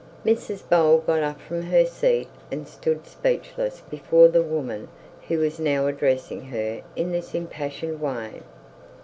Mrs Bold got up from her seat and stood speechless before the woman who was now addressing her in this impassioned way.